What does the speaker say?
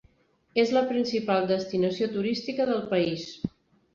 És la principal destinació turística del país.